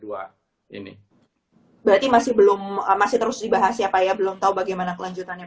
berarti masih belum masih terus dibahas ya pak ya belum tahu bagaimana kelanjutannya pak